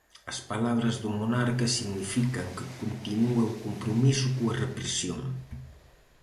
As palabras do monarca significan que continúa o compromiso coa represión.